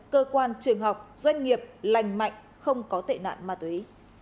cơ quan trường học doanh nghiệp lành mạnh không có tệ nạn ma túy